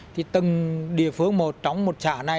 thì từng địa phương một trong một xã này